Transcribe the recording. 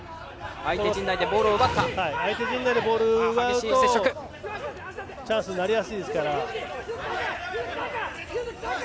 相手陣内でボールを奪うとチャンスになりやすいですから。